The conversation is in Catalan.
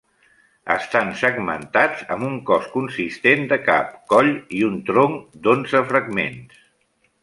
Estan segmentats amb un cos consistent de cap, coll i un tronc d'onze fragments.